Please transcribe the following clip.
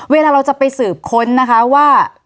เวลาเราจะไปสืบค้นนะคะว่า